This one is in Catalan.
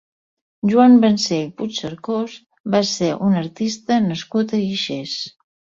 Joan Vancell Puigcercós va ser un artista nascut a Guixers.